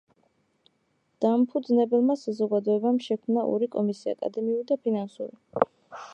დამფუძნებელმა საზოგადოებამ შექმნა ორი კომისია: აკადემიური და ფინანსური.